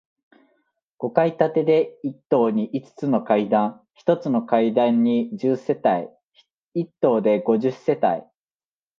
五階建てで、一棟に五つの階段、一つの階段に十世帯、一棟で五十世帯。